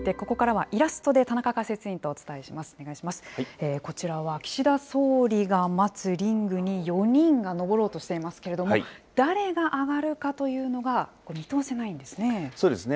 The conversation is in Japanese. こちらは岸田総理が待つリングに４人が上ろうとしていますけれども、誰が上がるかというのが見通せないんですね。